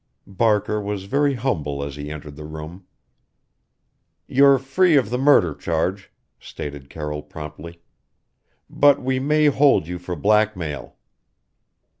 Barker was very humble as he entered the room. "You're free of the murder charge," stated Carroll promptly, "but we may hold you for blackmail."